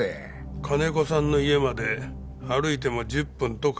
金子さんの家まで歩いても１０分とかかりません。